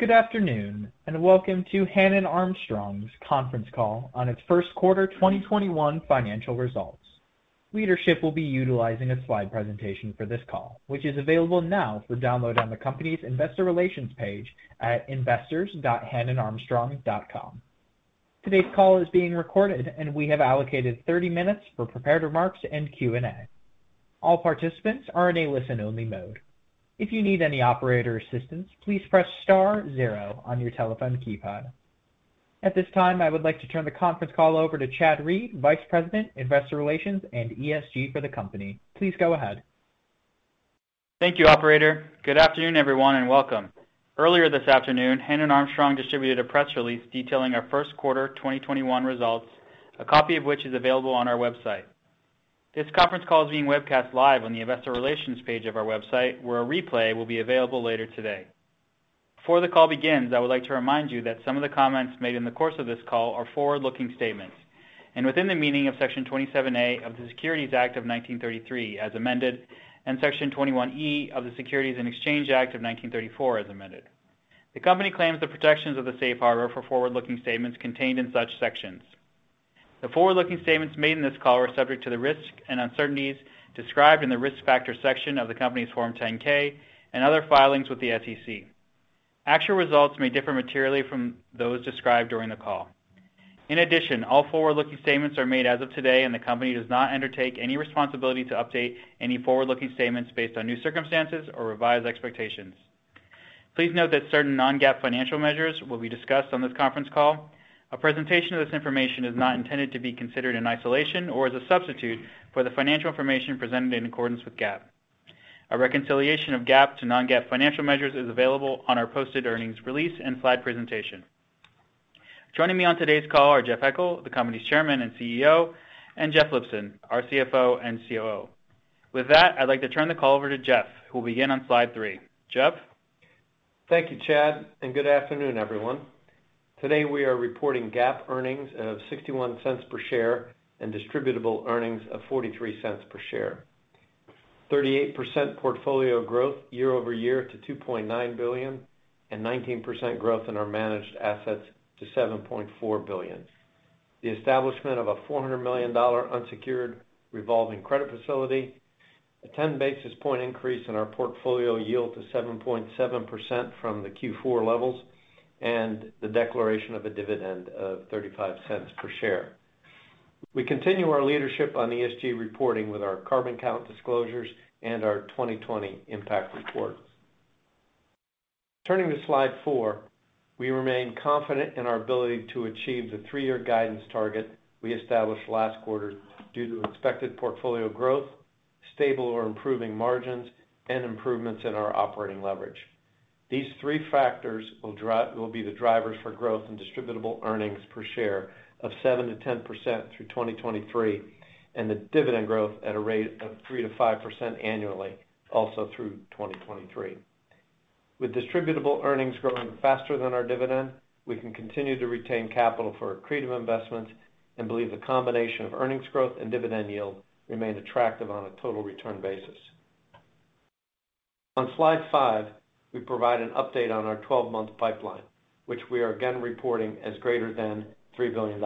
Good afternoon, and welcome to Hannon Armstrong's conference call on its first quarter 2021 financial results. Leadership will be utilizing a slide presentation for this call, which is available now for download on the company's investor relations page at investors.hannonarmstrong.com. Today's call is being recorded, and we have allocated 30-minutes for prepared remarks and Q&A. All participants are in a listen-only mode. If you need any operator assistance, please press star zero on your telephone keypad. At this time, I would like to turn the conference call over to Chad Reed, Vice President, Investor Relations, and ESG for the company. Please go ahead. Thank you, operator. Good afternoon, everyone, and welcome. Earlier this afternoon, Hannon Armstrong distributed a press release detailing our first quarter 2021 results, a copy of which is available on our website. This conference call is being webcast live on the Investor Relations page of our website, where a replay will be available later today. Before the call begins, I would like to remind you that some of the comments made in the course of this call are forward-looking statements and within the meaning of Section 27A of the Securities Act of 1933, as amended, and Section 21E of the Securities Exchange Act of 1934, as amended. The company claims the protections of the safe harbor for forward-looking statements contained in such sections. The forward-looking statements made in this call are subject to the risks and uncertainties described in the Risk Factors section of the company's Form 10-K and other filings with the SEC. Actual results may differ materially from those described during the call. In addition, all forward-looking statements are made as of today, and the company does not undertake any responsibility to update any forward-looking statements based on new circumstances or revised expectations. Please note that certain non-GAAP financial measures will be discussed on this conference call. A presentation of this information is not intended to be considered in isolation or as a substitute for the financial information presented in accordance with GAAP. A reconciliation of GAAP to non-GAAP financial measures is available on our posted earnings release and slide presentation. Joining me on today's call are Jeff Eckel, the company's Chairman and CEO, and Jeff Lipson, our CFO and COO. With that, I'd like to turn the call over to Jeff, who will begin on slide three. Jeff? Thank you, Chad, and good afternoon, everyone. Today, we are reporting GAAP earnings of $0.61 per share and distributable earnings of $0.43 per share. 38% portfolio growth year-over-year to $2.9 billion, and 19% growth in our managed assets to $7.4 billion. The establishment of a $400 million unsecured revolving credit facility. A 10 basis point increase in our portfolio yield to 7.7% from the Q4 levels, and the declaration of a dividend of $0.35 per share. We continue our leadership on ESG reporting with our CarbonCount disclosures and our 2020 Impact Report. Turning to slide four. We remain confident in our ability to achieve the three-year guidance target we established last quarter due to expected portfolio growth, stable or improving margins, and improvements in our operating leverage. These three factors will be the drivers for growth in distributable earnings per share of 7%-10% through 2023, and the dividend growth at a rate of 3%-5% annually, also through 2023. With distributable earnings growing faster than our dividend, we can continue to retain capital for accretive investments and believe the combination of earnings growth and dividend yield remain attractive on a total return basis. On slide five, we provide an update on our 12-month pipeline, which we are again reporting as greater than $3 billion.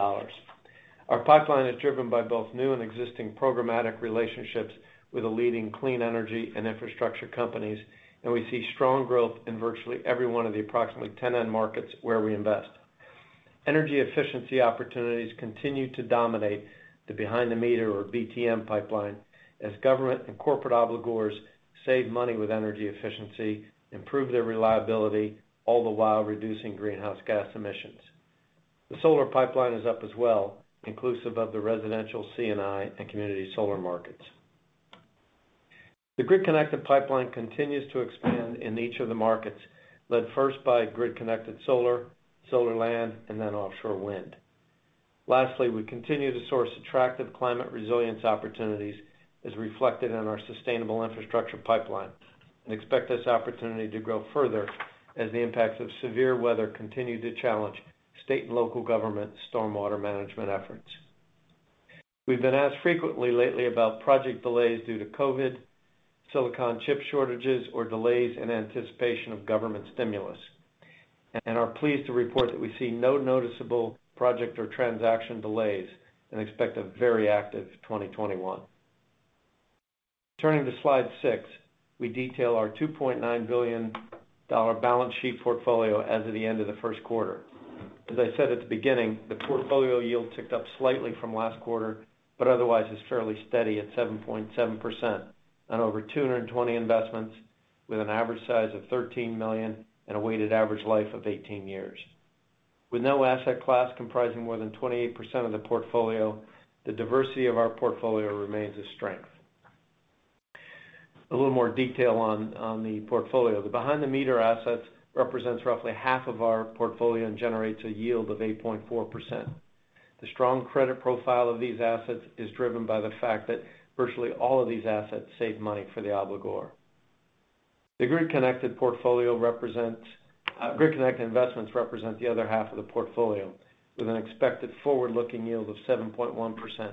Our pipeline is driven by both new and existing programmatic relationships with the leading clean energy and infrastructure companies, and we see strong growth in virtually every one of the approximately 10 end markets where we invest. Energy efficiency opportunities continue to dominate the behind-the-meter, or BTM pipeline, as government and corporate obligors save money with energy efficiency, improve their reliability, all the while reducing greenhouse gas emissions. The solar pipeline is up as well, inclusive of the residential C&I and community solar markets. The grid-connected pipeline continues to expand in each of the markets, led first by grid-connected solar land, and then offshore wind. We continue to source attractive climate resilience opportunities, as reflected in our sustainable infrastructure pipeline, and expect this opportunity to grow further as the impacts of severe weather continue to challenge state and local government stormwater management efforts. We've been asked frequently lately about project delays due to COVID, silicon chip shortages, or delays in anticipation of government stimulus. Are pleased to report that we see no noticeable project or transaction delays and expect a very active 2021. Turning to slide six, we detail our $2.9 billion balance sheet portfolio as of the end of the first quarter. As I said at the beginning, the portfolio yield ticked up slightly from last quarter, but otherwise is fairly steady at 7.7% on over 220 investments, with an average size of $13 million and a weighted average life of 18 years. With no asset class comprising more than 28% of the portfolio, the diversity of our portfolio remains a strength. A little more detail on the portfolio. The behind-the-meter assets represents roughly half of our portfolio and generates a yield of 8.4%. The strong credit profile of these assets is driven by the fact that virtually all of these assets save money for the obligor. The grid-connected investments represent the other half of the portfolio, with an expected forward-looking yield of 7.1%.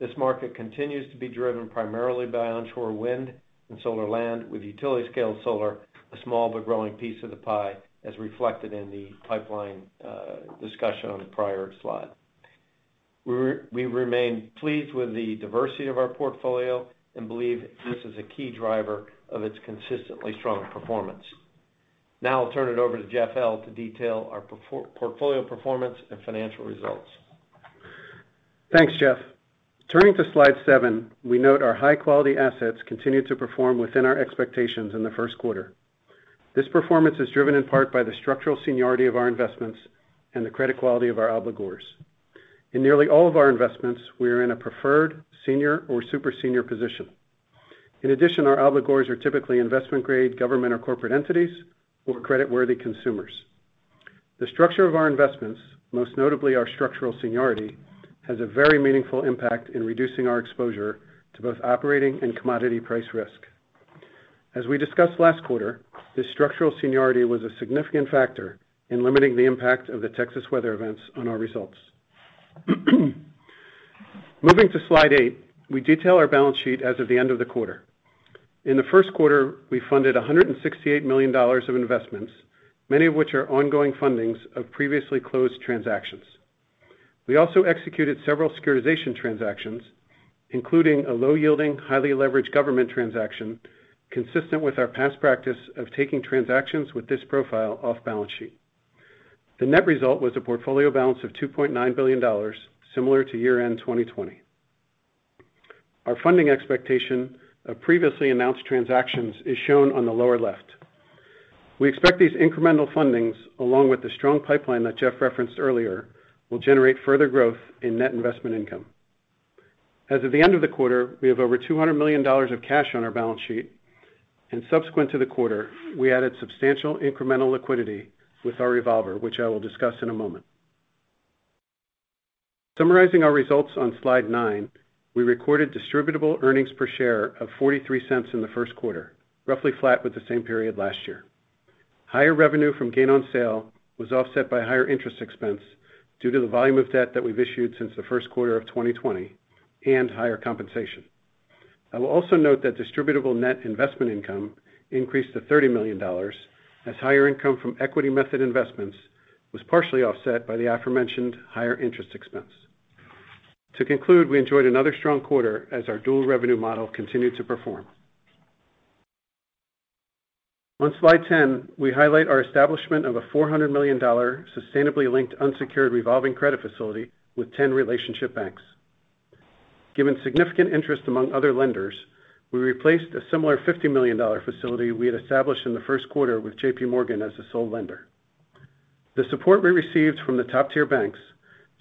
This market continues to be driven primarily by onshore wind and solar land, with utility-scale solar a small but growing piece of the pie, as reflected in the pipeline discussion on a prior slide. We remain pleased with the diversity of our portfolio and believe this is a key driver of its consistently strong performance. Now I'll turn it over to Jeff L. to detail our portfolio performance and financial results. Thanks, Jeff. Turning to slide seven, we note our high-quality assets continued to perform within our expectations in the first quarter. This performance is driven in part by the structural seniority of our investments and the credit quality of our obligors. In nearly all of our investments, we are in a preferred, senior, or super senior position. In addition, our obligors are typically investment-grade government or corporate entities or credit-worthy consumers. The structure of our investments, most notably our structural seniority, has a very meaningful impact in reducing our exposure to both operating and commodity price risk. As we discussed last quarter, this structural seniority was a significant factor in limiting the impact of the Texas weather events on our results. Moving to slide eight, we detail our balance sheet as of the end of the quarter. In the first quarter, we funded $168 million of investments, many of which are ongoing fundings of previously closed transactions. We also executed several securitization transactions, including a low-yielding, highly leveraged government transaction consistent with our past practice of taking transactions with this profile off balance sheet. The net result was a portfolio balance of $2.9 billion, similar to year-end 2020. Our funding expectation of previously announced transactions is shown on the lower left. We expect these incremental fundings, along with the strong pipeline that Jeff referenced earlier, will generate further growth in net investment income. As of the end of the quarter, we have over $200 million of cash on our balance sheet, and subsequent to the quarter, we added substantial incremental liquidity with our revolver, which I will discuss in a moment. Summarizing our results on slide nine, we recorded distributable earnings per share of $0.43 in the first quarter, roughly flat with the same period last year. Higher revenue from gain on sale was offset by higher interest expense due to the volume of debt that we've issued since the first quarter of 2020 and higher compensation. I will also note that distributable net investment income increased to $30 million, as higher income from equity method investments was partially offset by the aforementioned higher interest expense. To conclude, we enjoyed another strong quarter as our dual revenue model continued to perform. On slide 10, we highlight our establishment of a $400 million sustainably linked unsecured revolving credit facility with 10 relationship banks. Given significant interest among other lenders, we replaced a similar $50 million facility we had established in the first quarter with JPMorgan as the sole lender. The support we received from the top-tier banks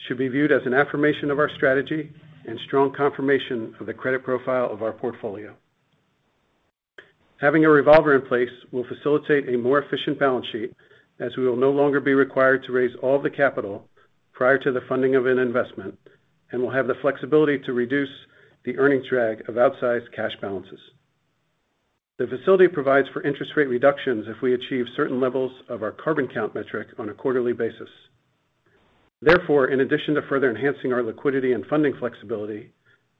should be viewed as an affirmation of our strategy and strong confirmation of the credit profile of our portfolio. Having a revolver in place will facilitate a more efficient balance sheet, as we will no longer be required to raise all the capital prior to the funding of an investment and will have the flexibility to reduce the earnings drag of outsized cash balances. The facility provides for interest rate reductions if we achieve certain levels of our CarbonCount metric on a quarterly basis. Therefore, in addition to further enhancing our liquidity and funding flexibility,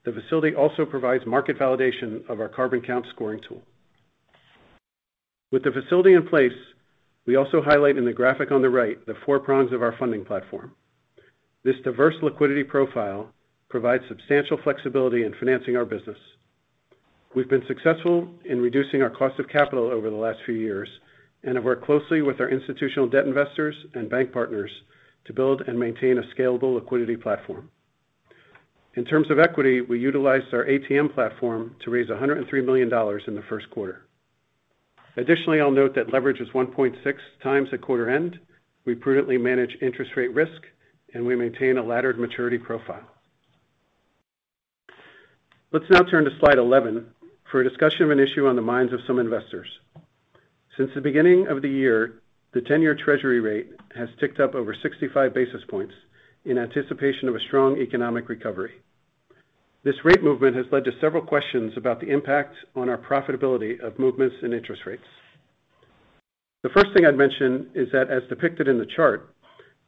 the facility also provides market validation of our CarbonCount scoring tool. With the facility in place, we also highlight in the graphic on the right the four prongs of our funding platform. This diverse liquidity profile provides substantial flexibility in financing our business. We've been successful in reducing our cost of capital over the last few years and have worked closely with our institutional debt investors and bank partners to build and maintain a scalable liquidity platform. Additionally, in terms of equity, we utilized our ATM platform to raise $103 million in the first quarter. I'll note that leverage is 1.6x at quarter end, we prudently manage interest rate risk, and we maintain a laddered maturity profile. Let's now turn to slide 11 for a discussion of an issue on the minds of some investors. Since the beginning of the year, the 10-year Treasury rate has ticked up over 65 basis points in anticipation of a strong economic recovery. This rate movement has led to several questions about the impact on our profitability of movements and interest rates. The first thing I'd mention is that as depicted in the chart,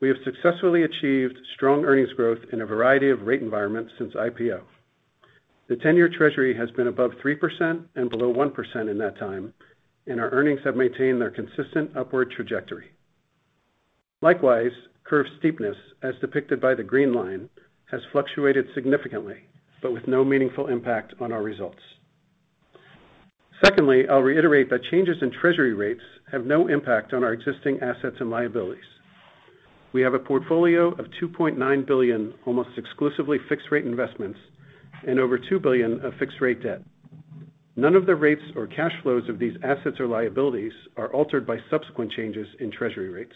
we have successfully achieved strong earnings growth in a variety of rate environments since IPO. The 10-year Treasury has been above 3% and below 1% in that time, and our earnings have maintained their consistent upward trajectory. Likewise, curve steepness, as depicted by the green line, has fluctuated significantly, but with no meaningful impact on our results. Secondly, I'll reiterate that changes in Treasury rates have no impact on our existing assets and liabilities. We have a portfolio of $2.9 billion, almost exclusively fixed-rate investments, and over $2 billion of fixed-rate debt. None of the rates or cash flows of these assets or liabilities are altered by subsequent changes in Treasury rates.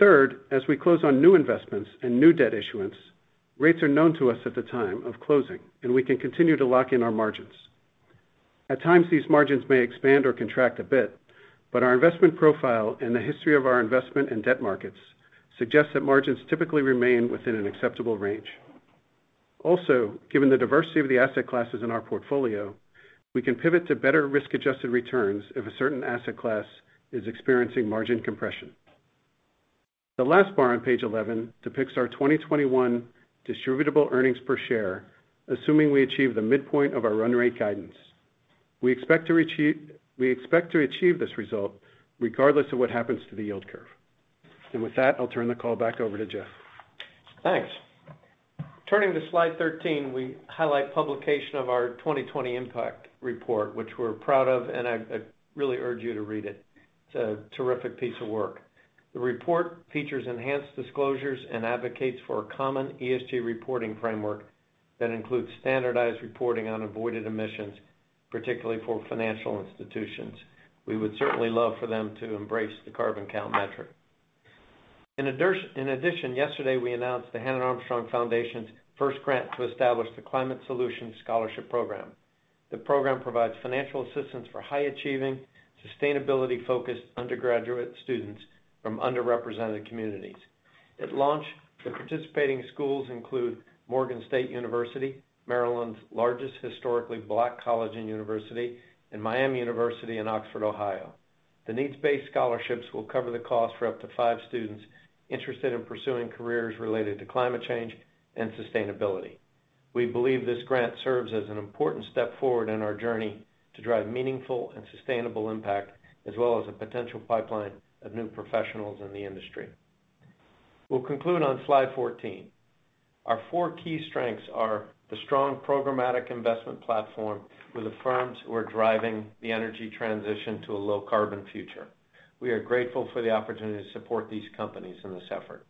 Third, as we close on new investments and new debt issuance, rates are known to us at the time of closing, and we can continue to lock in our margins. At times, these margins may expand or contract a bit, but our investment profile and the history of our investment and debt markets suggest that margins typically remain within an acceptable range. Also, given the diversity of the asset classes in our portfolio, we can pivot to better risk-adjusted returns if a certain asset class is experiencing margin compression. The last bar on page 11 depicts our 2021 distributable earnings per share, assuming we achieve the midpoint of our run rate guidance. We expect to achieve this result regardless of what happens to the yield curve. With that, I'll turn the call back over to Jeff. Thanks. Turning to slide 13, we highlight publication of our 2020 Impact Report, which we're proud of, and I really urge you to read it. It's a terrific piece of work. The report features enhanced disclosures and advocates for a common ESG reporting framework that includes standardized reporting on avoided emissions, particularly for financial institutions. We would certainly love for them to embrace the CarbonCount metric. In addition, yesterday, we announced the Hannon Armstrong Foundation's first grant to establish the Climate Solutions Scholarship Program. The program provides financial assistance for high-achieving, sustainability-focused undergraduate students from underrepresented communities. At launch, the participating schools include Morgan State University, Maryland's largest historically Black college and university, and Miami University in Oxford, Ohio. The needs-based scholarships will cover the cost for up to five students interested in pursuing careers related to climate change and sustainability. We believe this grant serves as an important step forward in our journey to drive meaningful and sustainable impact, as well as a potential pipeline of new professionals in the industry. We'll conclude on slide 14. Our four key strengths are the strong programmatic investment platform with the firms who are driving the energy transition to a low-carbon future. We are grateful for the opportunity to support these companies in this effort.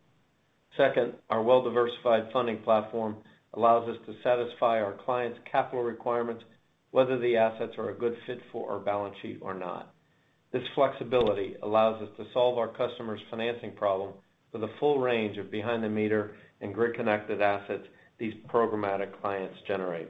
Second, our well-diversified funding platform allows us to satisfy our clients' capital requirements, whether the assets are a good fit for our balance sheet or not. This flexibility allows us to solve our customers' financing problem with a full range of behind-the-meter and grid-connected assets these programmatic clients generate.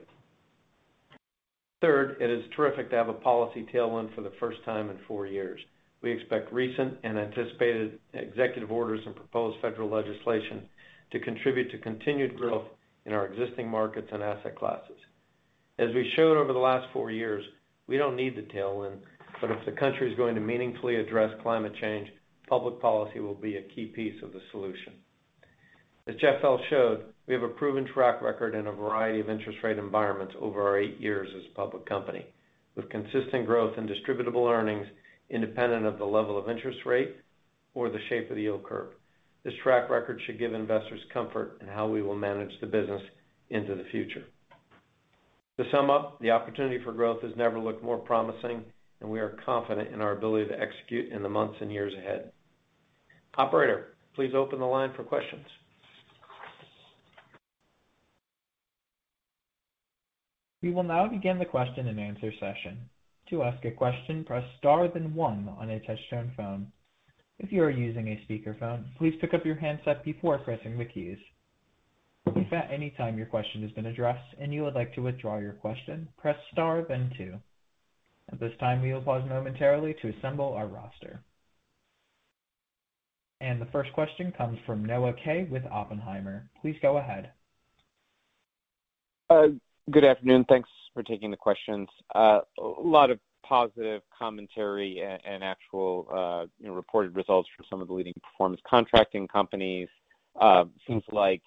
Third, it is terrific to have a policy tailwind for the first time in four years. We expect recent and anticipated executive orders and proposed federal legislation to contribute to continued growth in our existing markets and asset classes. As we showed over the last four years, we don't need the tailwind. If the country is going to meaningfully address climate change, public policy will be a key piece of the solution. As Jeff L. showed, we have a proven track record in a variety of interest rate environments over our eight years as a public company, with consistent growth in distributable earnings independent of the level of interest rate or the shape of the yield curve. This track record should give investors comfort in how we will manage the business into the future. To sum up, the opportunity for growth has never looked more promising. We are confident in our ability to execute in the months and years ahead. Operator, please open the line for questions. We will now begin the question-and-answer session. To ask a question press star then one on a touch-tone phone. If you are using a speaker phone, please pick up your handset before pressing the keys. If anytime your question has been address and you would like to withdraw your question, press star then two. At this time we will pause momentarily to assemble our roster. The first question comes from Noah Kaye with Oppenheimer. Please go ahead. Good afternoon. Thanks for taking the questions. A lot of positive commentary and actual reported results from some of the leading performance contracting companies. Seems like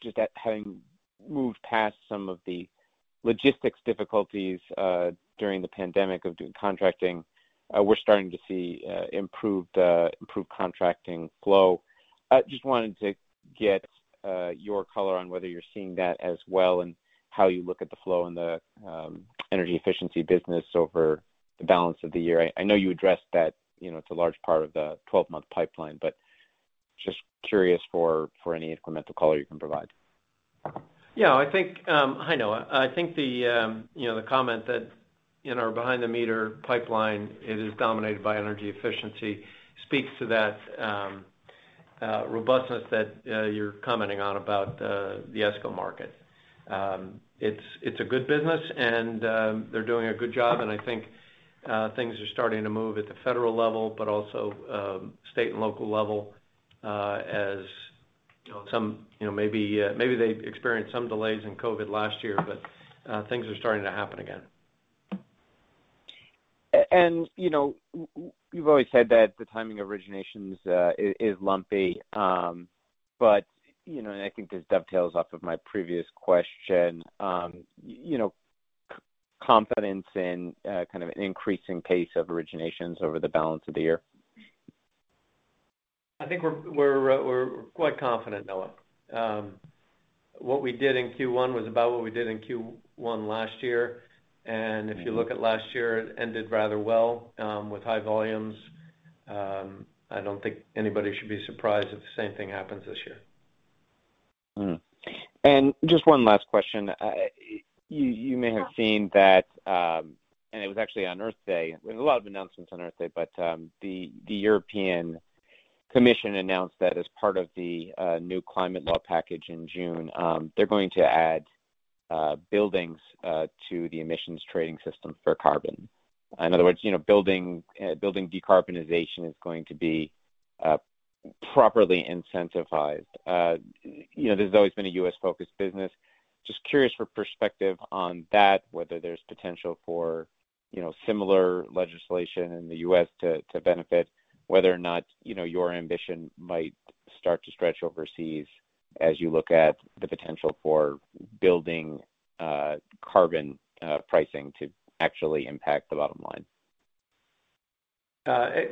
just that having moved past some of the logistics difficulties during the pandemic of doing contracting, we're starting to see improved contracting flow. Just wanted to get your color on whether you're seeing that as well and how you look at the flow in the energy efficiency business over the balance of the year. I know you addressed that it's a large part of the 12-month pipeline, just curious for any incremental color you can provide. Hi, Noah. I think the comment that in our behind-the-meter pipeline, it is dominated by energy efficiency speaks to that robustness that you're commenting on about the ESCO market. It's a good business and they're doing a good job. I think things are starting to move at the federal level, but also state and local level. Maybe they experienced some delays in COVID last year. Things are starting to happen again. You've always said that the timing of originations is lumpy. I think this dovetails off of my previous question. Confidence in kind of an increasing pace of originations over the balance of the year? I think we're quite confident, Noah. What we did in Q1 was about what we did in Q1 last year. If you look at last year, it ended rather well with high volumes. I don't think anybody should be surprised if the same thing happens this year. Just one last question. You may have seen that, it was actually on Earth Day. There was a lot of announcements on Earth Day, the European Commission announced that as part of the new climate law package in June, they're going to add buildings to the emissions trading system for carbon. In other words, building decarbonization is going to be properly incentivized. This has always been a U.S.-focused business. Just curious for perspective on that, whether there's potential for similar legislation in the U.S. to benefit whether or not your ambition might start to stretch overseas as you look at the potential for building carbon pricing to actually impact the bottom line.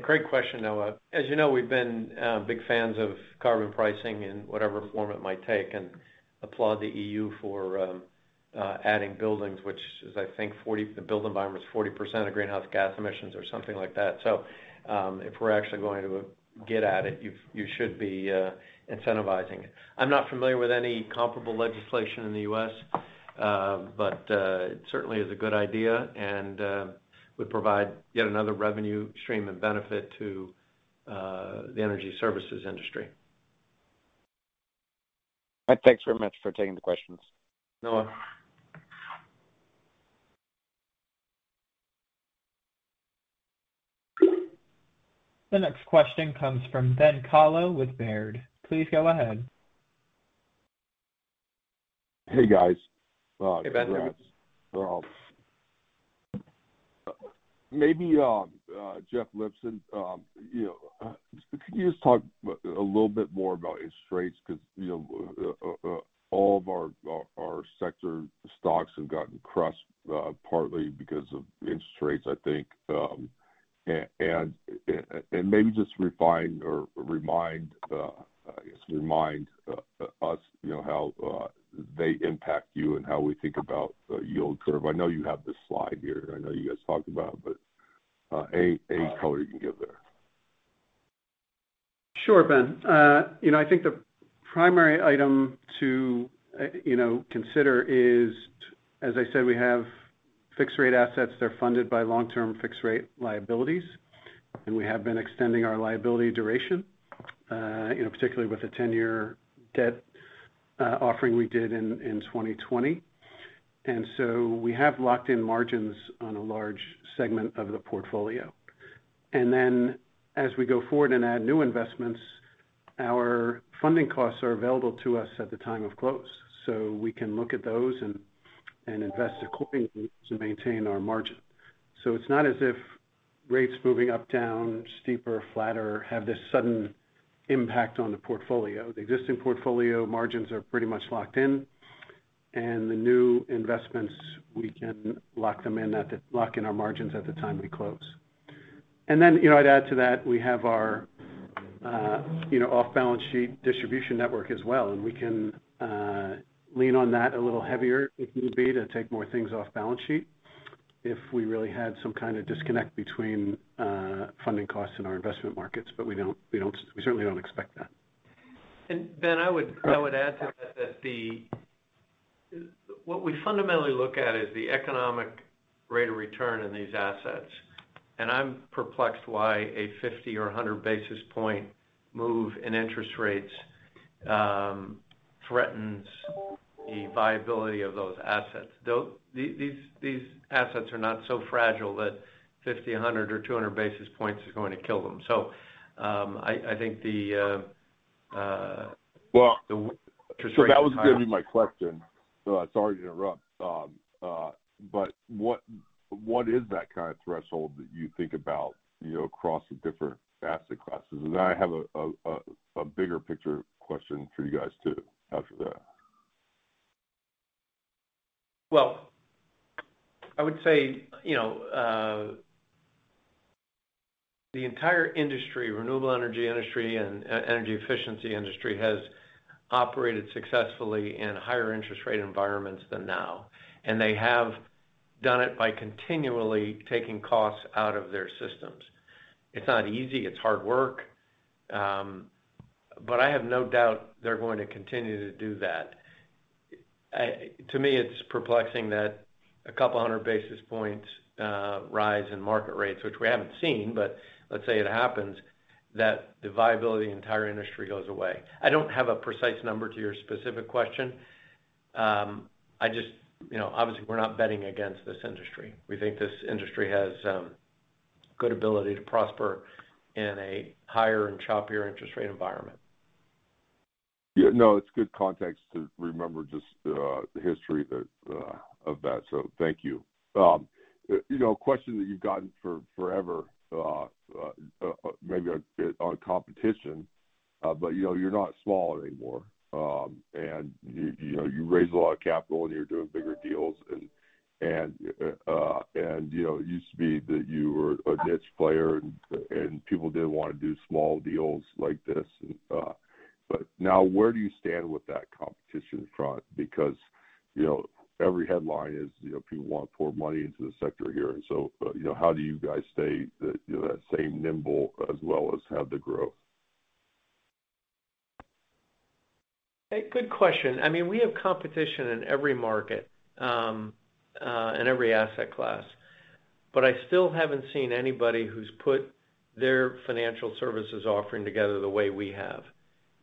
Great question, Noah. As you know, we've been big fans of carbon pricing in whatever form it might take, and applaud the EU for adding buildings, which is, I think, the built environment is 40% of greenhouse gas emissions or something like that. If we're actually going to get at it, you should be incentivizing it. I'm not familiar with any comparable legislation in the U.S. but it certainly is a good idea and would provide yet another revenue stream and benefit to the energy services industry. All right. Thanks very much for taking the questions. Noah. The next question comes from Ben Kallo with Baird. Please go ahead. Hey, guys. Hey, Ben. Maybe, Jeff Lipson, could you just talk a little bit more about interest rates, because all of our sector stocks have gotten crushed, partly because of interest rates, I think. Maybe just refine or remind us how they impact you and how we think about the yield curve. I know you have the slide here, and I know you guys talked about it, but any color you can give there. Sure, Ben. I think the primary item to consider is, as I said, we have fixed-rate assets that are funded by long-term fixed-rate liabilities, and we have been extending our liability duration, particularly with the 10-year debt offering we did in 2020. We have locked in margins on a large segment of the portfolio. As we go forward and add new investments, our funding costs are available to us at the time of close, so we can look at those and invest accordingly to maintain our margin. It's not as if rates moving up, down, steeper, flatter, have this sudden impact on the portfolio. The existing portfolio margins are pretty much locked in, and the new investments, we can lock in our margins at the time we close. I'd add to that, we have our off-balance sheet distribution network as well, and we can lean on that a little heavier if need be to take more things off balance sheet if we really had some kind of disconnect between funding costs and our investment markets, but we certainly don't expect that. Ben, I would add to that, what we fundamentally look at is the economic rate of return on these assets. I'm perplexed why a 50 or 100 basis point move in interest rates threatens the viability of those assets. These assets are not so fragile that 50, 100 or 200 basis points is going to kill them. That was going to be my question. Sorry to interrupt. What is that kind of threshold that you think about across the different asset classes? I have a bigger picture question for you guys too after that. Well, I would say, the entire industry, renewable energy industry and energy efficiency industry, has operated successfully in higher interest rate environments than now, and they have done it by continually taking costs out of their systems. It's not easy. It's hard work. I have no doubt they're going to continue to do that. To me, it's perplexing that a couple 100 basis points rise in market rates, which we haven't seen, let's say it happens, that the viability of the entire industry goes away. I don't have a precise number to your specific question. Obviously, we're not betting against this industry. We think this industry has good ability to prosper in a higher and choppier interest rate environment. Yeah, no, it's good context to remember just the history of that, so thank you. A question that you've gotten forever, maybe on competition, but you're not small anymore. You raised a lot of capital, and you're doing bigger deals, and it used to be that you were a niche player, and people didn't want to do small deals like this. Now where do you stand with that competition front? Every headline is, people want to pour money into the sector here. How do you guys stay nimble as well as have the growth? Hey, good question. We have competition in every market, in every asset class. I still haven't seen anybody who's put their financial services offering together the way we have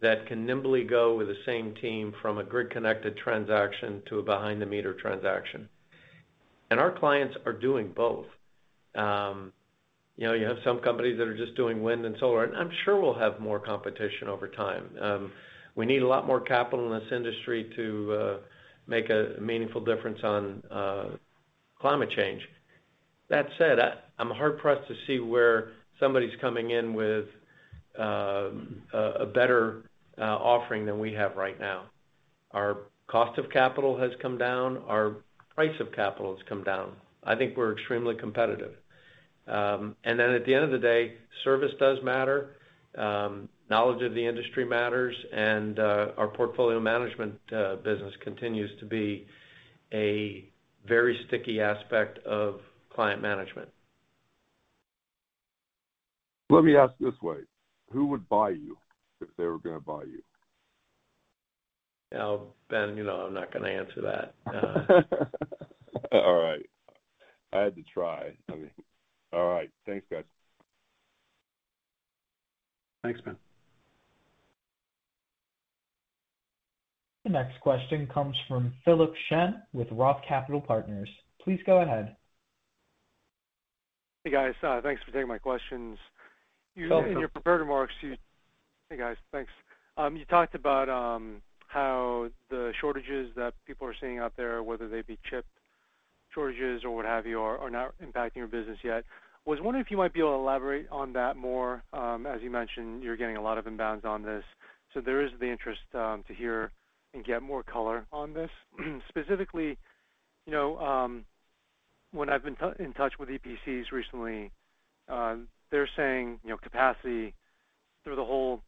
that can nimbly go with the same team from a grid-connected transaction to a behind-the-meter transaction. Our clients are doing both. You have some companies that are just doing wind and solar, and I'm sure we'll have more competition over time. We need a lot more capital in this industry to make a meaningful difference on climate change. That said, I'm hard-pressed to see where somebody's coming in with a better offering than we have right now. Our cost of capital has come down. Our price of capital has come down. I think we're extremely competitive. At the end of the day, service does matter, knowledge of the industry matters, and our portfolio management business continues to be a very sticky aspect of client management. Let me ask this way. Who would buy you if they were going to buy you? Now, Ben, you know I'm not going to answer that. All right. I had to try. All right. Thanks, guys. Thanks, Ben. The next question comes from Philip Shen with Roth Capital Partners. Please go ahead. Hey, guys. Thanks for taking my questions. Welcome. In your prepared remarks. Hey, guys. Thanks. You talked about how the shortages that people are seeing out there, whether they be chip shortages or what have you, are not impacting your business yet. Was wondering if you might be able to elaborate on that more. As you mentioned, you're getting a lot of inbounds on this. There is the interest to hear and get more color on this. Specifically, when I've been in touch with EPCs recently, they're saying capacity through the whole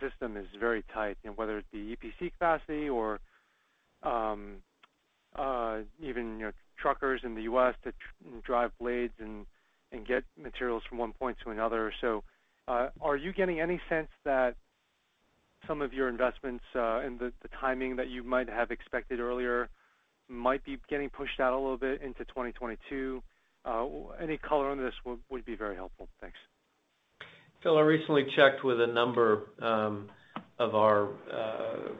system is very tight, whether it be EPC capacity or even truckers in the U.S. that drive blades and get materials from one point to another. Are you getting any sense that some of your investments and the timing that you might have expected earlier might be getting pushed out a little bit into 2022? Any color on this would be very helpful. Thanks. Phil, I recently checked with a number of our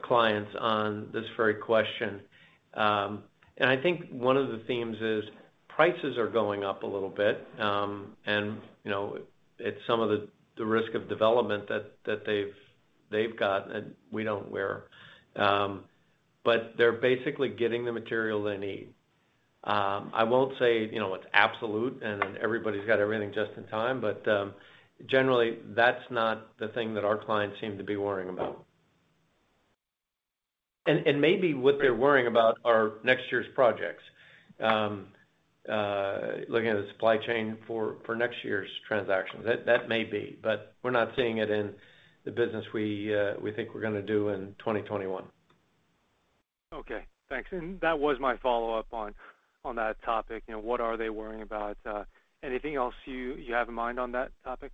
clients on this very question. I think one of the themes is prices are going up a little bit. It's some of the risk of development that they've got, and we don't. They're basically getting the material they need. I won't say it's absolute and everybody's got everything just in time. Generally, that's not the thing that our clients seem to be worrying about. Maybe what they're worrying about are next year's projects. Looking at the supply chain for next year's transactions. That may be, but we're not seeing it in the business we think we're going to do in 2021. Okay, thanks. That was my follow-up on that topic, what are they worrying about? Anything else you have in mind on that topic?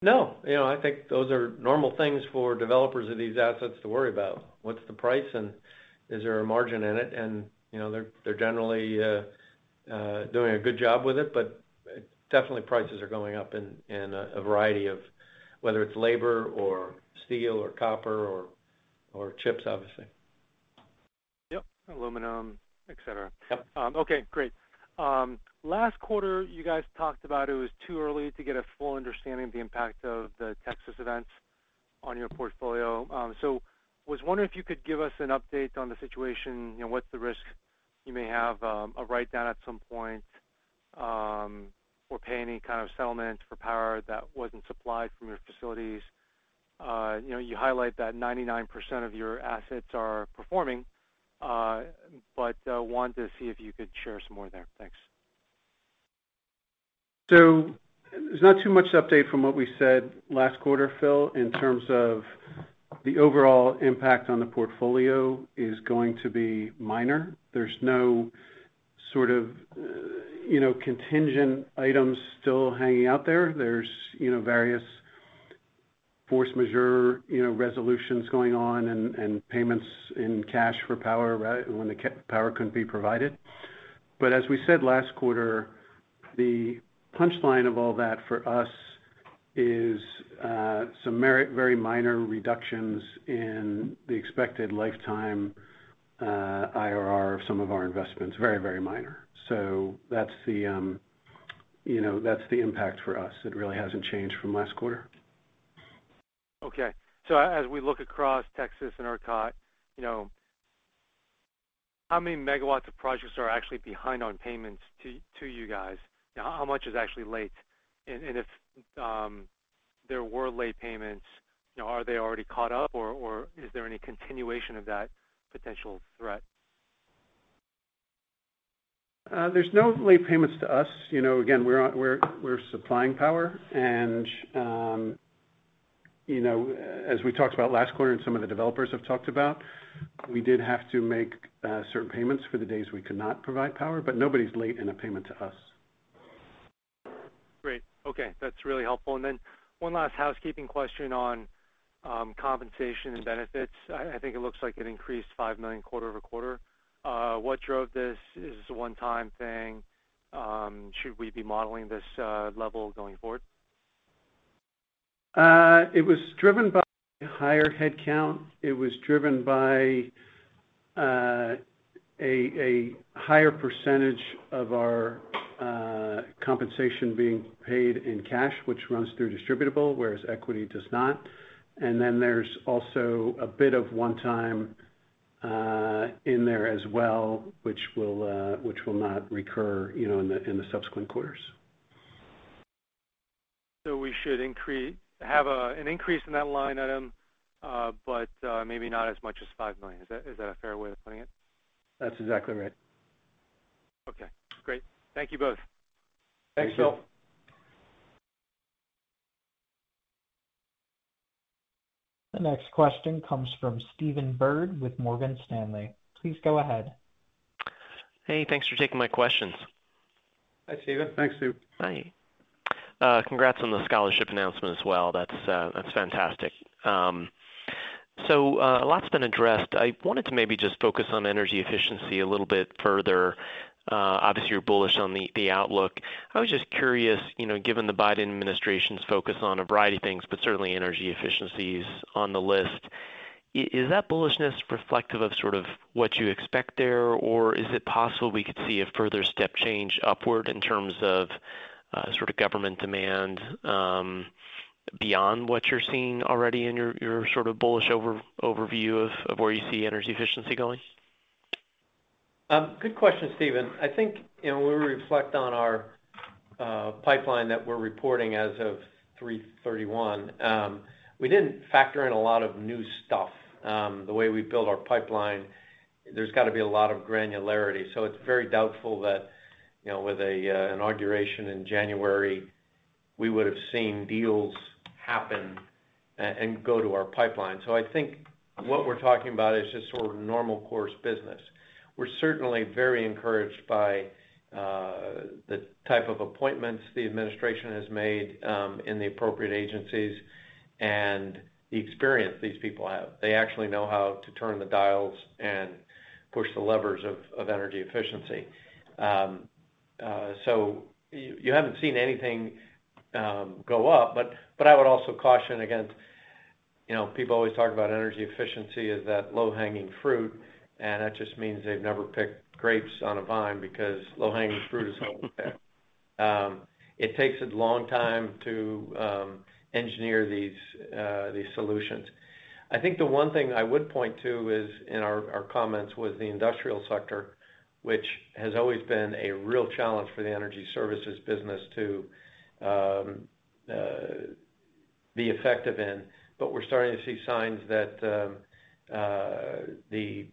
No, I think those are normal things for developers of these assets to worry about. What's the price and is there a margin in it? They're generally doing a good job with it, but definitely prices are going up in a variety of, whether it's labor or steel or copper or chips, obviously. Yep. Aluminum, et cetera. Yep. Okay, great. Last quarter, you guys talked about it was too early to get a full understanding of the impact of the Texas events on your portfolio. I was wondering if you could give us an update on the situation. What's the risk? You may have a write-down at some point or pay any kind of settlement for power that wasn't supplied from your facilities. You highlight that 99% of your assets are performing, I wanted to see if you could share some more there. Thanks. There's not too much update from what we said last quarter, Phil, in terms of the overall impact on the portfolio is going to be minor. There's no contingent items still hanging out there. There's various force majeure resolutions going on and payments in cash for power when the power couldn't be provided. As we said last quarter, the punchline of all that for us is some very minor reductions in the expected lifetime IRR of some of our investments. Very minor. That's the impact for us. It really hasn't changed from last quarter. As we look across Texas and ERCOT, how many megawatts of projects are actually behind on payments to you guys? How much is actually late? If there were late payments, are they already caught up or is there any continuation of that potential threat? There's no late payments to us. Again, we're supplying power and as we talked about last quarter, and some of the developers have talked about, we did have to make certain payments for the days we could not provide power, but nobody's late in a payment to us. Great. Okay. That's really helpful. Then one last housekeeping question on compensation and benefits. I think it looks like it increased $5 million quarter-over-quarter. What drove this? Is this a one-time thing? Should we be modeling this level going forward? It was driven by higher headcount. It was driven by a higher percentage of our compensation being paid in cash, which runs through distributable, whereas equity does not. There's also a bit of one time in there as well, which will not recur in the subsequent quarters. We should have an increase in that line item, but maybe not as much as $5 million. Is that a fair way of putting it? That's exactly right. Okay, great. Thank you both. Thanks, Phil. Thank you. The next question comes from Stephen Byrd with Morgan Stanley. Please go ahead. Hey, thanks for taking my questions. Hi, Stephen. Hi, Steve. Hi. Congrats on the scholarship announcement as well. That's fantastic. A lot's been addressed. I wanted to maybe just focus on energy efficiency a little bit further. Obviously you're bullish on the outlook. I was just curious, given the Biden administration's focus on a variety of things, but certainly energy efficiency is on the list. Is that bullishness reflective of what you expect there? Or is it possible we could see a further step change upward in terms of government demand beyond what you're seeing already in your bullish overview of where you see energy efficiency going? Good question, Stephen. I think when we reflect on our pipeline that we're reporting as of 3/31, we didn't factor in a lot of new stuff. The way we build our pipeline, there's got to be a lot of granularity. It's very doubtful that, with a Inauguration in January, we would have seen deals happen and go to our pipeline. I think what we're talking about is just sort of normal course business. We're certainly very encouraged by the type of appointments the administration has made in the appropriate agencies and the experience these people have. They actually know how to turn the dials and push the levers of energy efficiency. You haven't seen anything go up, but I would also caution against people always talk about energy efficiency as that low-hanging fruit, and that just means they've never picked grapes on a vine, because low-hanging fruit is always picked. It takes a long time to engineer these solutions. I think the one thing I would point to is in our comments was the industrial sector, which has always been a real challenge for the energy services business to be effective in. We're starting to see signs that the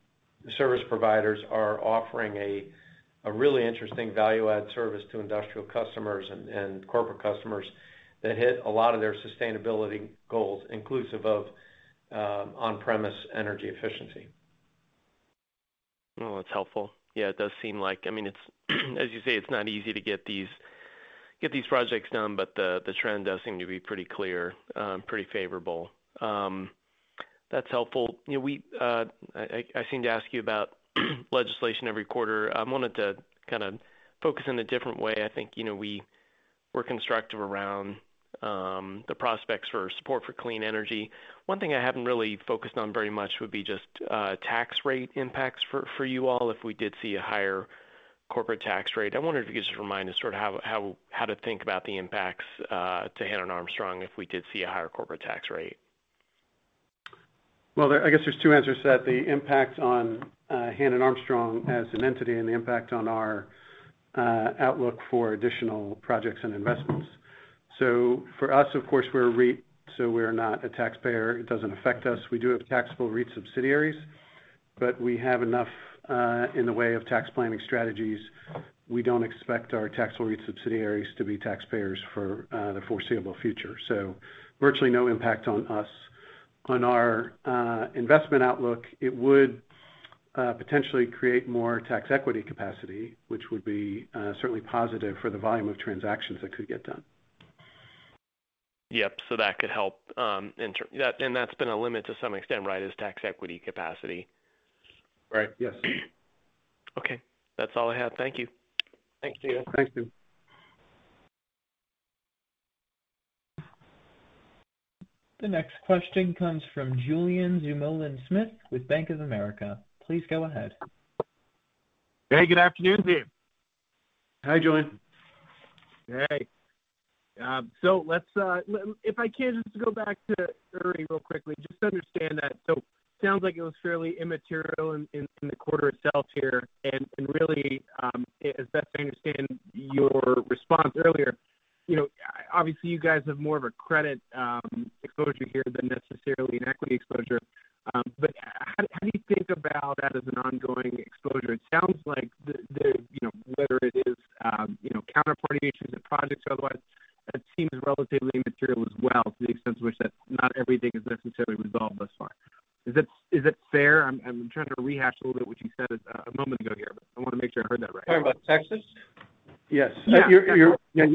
service providers are offering a really interesting value-add service to industrial customers and corporate customers that hit a lot of their sustainability goals, inclusive of on-premise energy efficiency. Well, that's helpful. Yeah, it does seem like, as you say, it's not easy to get these projects done, but the trend does seem to be pretty clear, pretty favorable. That's helpful. I seem to ask you about legislation every quarter. I wanted to focus in a different way. I think we're constructive around the prospects for support for clean energy. One thing I haven't really focused on very much would be just tax rate impacts for you all if we did see a higher corporate tax rate. I wonder if you could just remind us how to think about the impacts to Hannon Armstrong if we did see a higher corporate tax rate. Well, I guess there's two answers to that, the impact on Hannon Armstrong as an entity and the impact on our outlook for additional projects and investments. For us, of course, we're a REIT, we're not a taxpayer. It doesn't affect us. We do have taxable REIT subsidiaries, but we have enough in the way of tax planning strategies. We don't expect our taxable REIT subsidiaries to be taxpayers for the foreseeable future. Virtually no impact on us. On our investment outlook, it would potentially create more tax equity capacity, which would be certainly positive for the volume of transactions that could get done. Yep. That could help in turn. That's been a limit to some extent, right, is tax equity capacity. Right. Yes. Okay. That's all I have. Thank you. Thanks, Stephen. Thanks, Stephen. The next question comes from Julien Dumoulin-Smith with Bank of America. Please go ahead. Hey, good afternoon to you. Hi, Julien. Hey. If I can just go back to ERCOT real quickly, just to understand that. Sounds like it was fairly immaterial in the quarter itself here, and really, as best I understand your response earlier, obviously you guys have more of a credit exposure here than necessarily an equity exposure. How do you think about that as an ongoing exposure? It sounds like whether it is counterparty issues or projects or otherwise, that seems relatively immaterial as well, to the extent to which that not everything is necessarily resolved thus far. Is that fair? I'm trying to rehash a little bit what you said a moment ago here, but I want to make sure I heard that right. Talking about Texas? Yes. Yeah.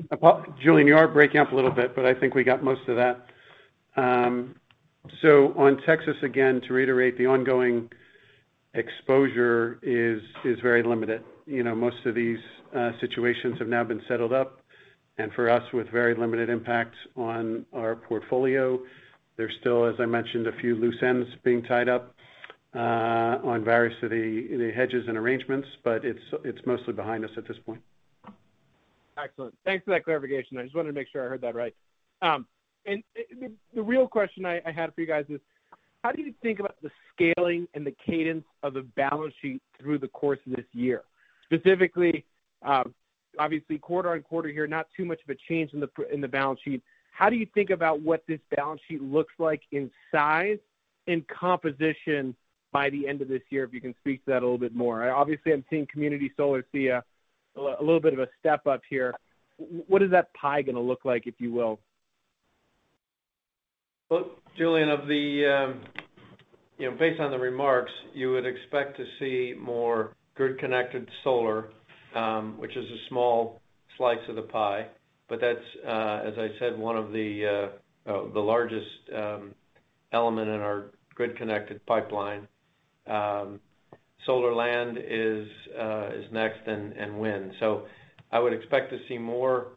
Julien, you are breaking up a little bit, but I think we got most of that. On Texas, again, to reiterate the ongoing exposure is very limited. Most of these situations have now been settled up, and for us, with very limited impact on our portfolio. There's still, as I mentioned, a few loose ends being tied up on various of the hedges and arrangements, but it's mostly behind us at this point. Excellent. Thanks for that clarification. I just wanted to make sure I heard that right. The real question I had for you guys is, how do you think about the scaling and the cadence of the balance sheet through the course of this year? Specifically, obviously quarter on quarter here, not too much of a change in the balance sheet. How do you think about what this balance sheet looks like in size and composition by the end of this year? If you can speak to that a little bit more. Obviously, I'm seeing community solar see a little bit of a step-up here. What is that pie going to look like, if you will? Based on the remarks, you would expect to see more grid-connected solar, which is a small slice of the pie. That's, as I said, one of the largest element in our grid-connected pipeline. Solar land is next, and wind. I would expect to see more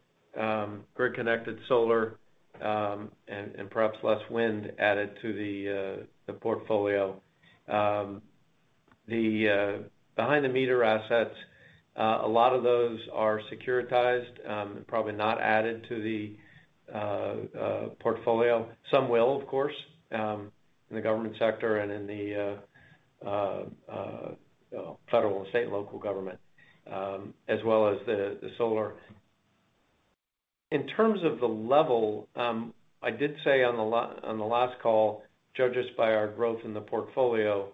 grid-connected solar, and perhaps less wind added to the portfolio. The behind-the-meter assets, a lot of those are securitized and probably not added to the portfolio. Some will, of course, in the government sector and in the federal and state and local government, as well as the solar. In terms of the level, I did say on the last call, judge us by our growth in the portfolio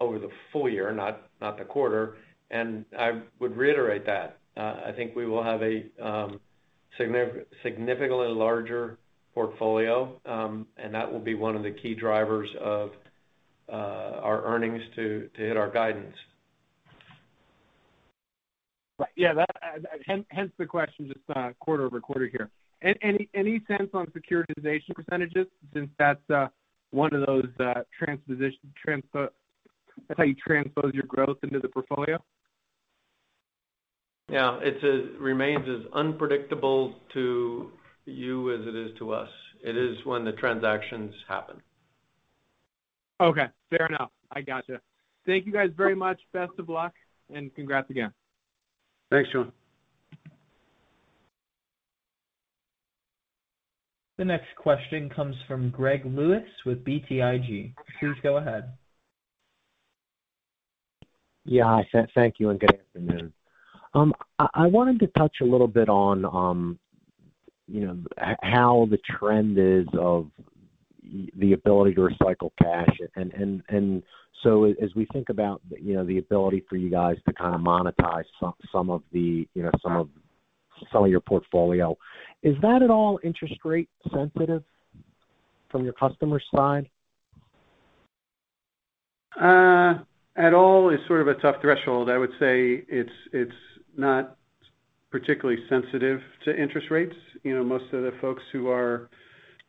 over the full year, not the quarter, and I would reiterate that. I think we will have a significantly larger portfolio, and that will be one of the key drivers of our earnings to hit our guidance. Right. Yeah, hence the question, just quarter-over-quarter here. Any sense on securitization percentages, since that's how you transpose your growth into the portfolio? Yeah. It remains as unpredictable to you as it is to us. It is when the transactions happen. Okay. Fair enough. I got you. Thank you guys very much. Best of luck, and congrats again. Thanks, Julien. The next question comes from Greg Lewis with BTIG. Please go ahead. Yeah. Thank you, and good afternoon. I wanted to touch a little bit on how the trend is of the ability to recycle cash. As we think about the ability for you guys to monetize some of your portfolio, is that at all interest rate sensitive from your customer side? At all is sort of a tough threshold. I would say it's not particularly sensitive to interest rates. Most of the folks who are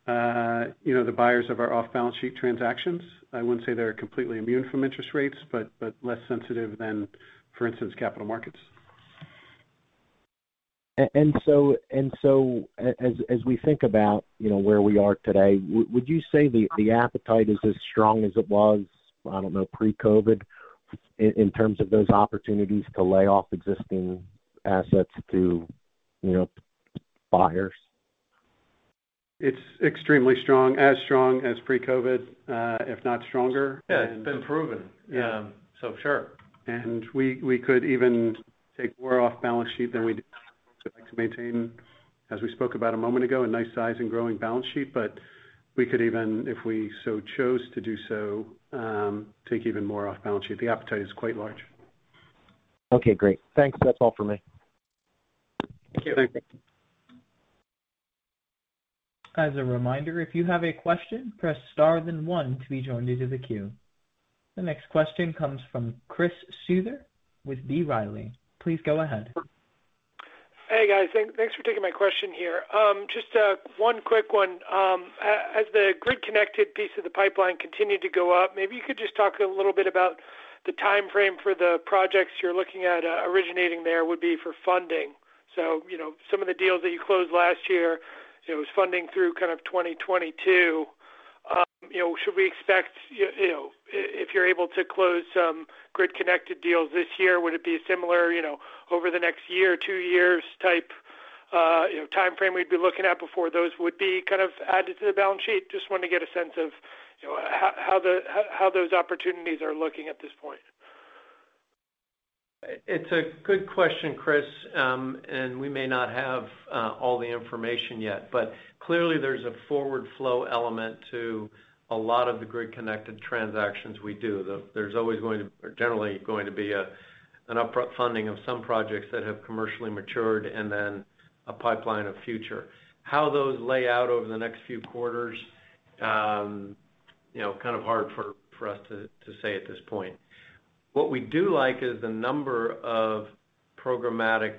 the buyers of our off-balance sheet transactions, I wouldn't say they're completely immune from interest rates, but less sensitive than, for instance, capital markets. As we think about where we are today, would you say the appetite is as strong as it was, I don't know, pre-COVID, in terms of those opportunities to lay off existing assets to buyers? It's extremely strong, as strong as pre-COVID, if not stronger. Yeah, it's been proven. Sure. We could even take more off balance sheet than we do to maintain, as we spoke about a moment ago, a nice size and growing balance sheet. We could even, if we so chose to do so, take even more off balance sheet. The appetite is quite large. Okay, great. Thanks. That is all for me. Thank you. Thank you. As a reminder, if you have a question, press star then one to be joined into the queue. The next question comes from Chris Souther with B. Riley. Please go ahead. Hey, guys. Thanks for taking my question here. Just one quick one. As the grid-connected piece of the pipeline continued to go up, maybe you could just talk a little bit about the timeframe for the projects you're looking at originating there would be for funding. Some of the deals that you closed last year, it was funding through kind of 2022. Should we expect, if you're able to close some grid-connected deals this year, would it be a similar over the next year or two years type timeframe we'd be looking at before those would be added to the balance sheet? Just wanted to get a sense of how those opportunities are looking at this point. It's a good question, Chris. We may not have all the information yet, but clearly there's a forward flow element to a lot of the grid-connected transactions we do. There's always generally going to be an upfront funding of some projects that have commercially matured and then a pipeline of future. How those lay out over the next few quarters, kind of hard for us to say at this point. What we do like is the number of programmatic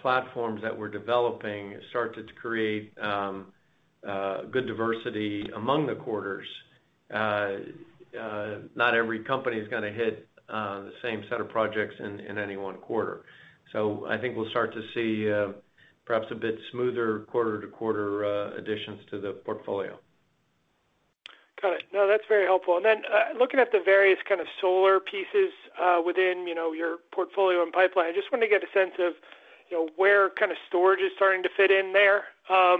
platforms that we're developing start to create good diversity among the quarters. Not every company is going to hit the same set of projects in any one quarter. I think we'll start to see perhaps a bit smoother quarter-to-quarter additions to the portfolio. Got it. No, that's very helpful. Looking at the various kind of solar pieces within your portfolio and pipeline, I just wanted to get a sense of where storage is starting to fit in there. I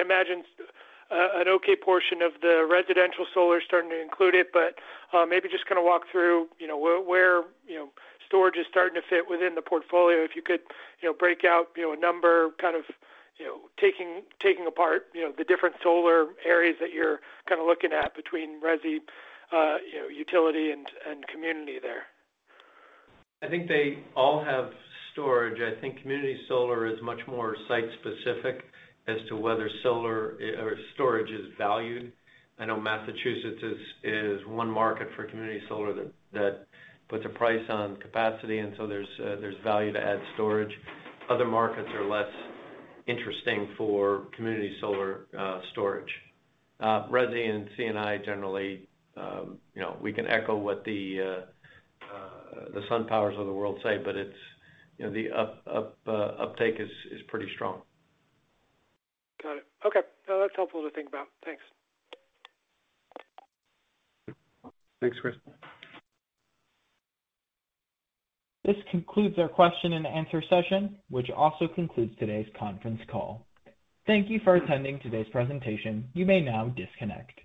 imagine an okay portion of the residential solar is starting to include it, but maybe just kind of walk through where storage is starting to fit within the portfolio. If you could break out a number, kind of taking apart the different solar areas that you're looking at between resi, utility, and community there. I think they all have storage. I think community solar is much more site-specific as to whether storage is valued. I know Massachusetts is one market for community solar that puts a price on capacity, and so there's value to add storage. Other markets are less interesting for community solar storage. Resi and C&I, generally, we can echo what the SunPower of the world say, but the uptake is pretty strong. Got it. Okay. No, that's helpful to think about. Thanks. Thanks, Chris. This concludes our question-and-answer session, which also concludes today's conference call. Thank you for attending today's presentation. You may now disconnect.